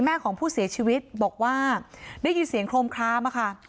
แม่ของผู้เสียชีวิตบอกว่าได้ยินเสียงโครมคลามอะค่ะ